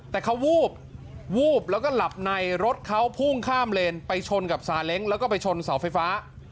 แต่เขาวูบวูบแล้วก็หลับในรถเขาพุ่งข้ามเลนไปชนกับซาเล้งแล้วก็ไปชนเสาไฟฟ้า